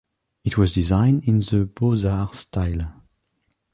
It was designed in the Beaux-Arts style.